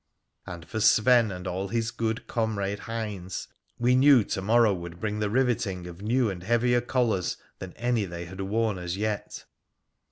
And for Sven and all his good comrade hinds we knew to morrow would bring the riveting of new an'i Leavier collars than any they had worn as yet.